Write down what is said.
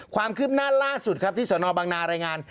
ความคืบหน้าล่าสุดครับที่สนบังนารายงาน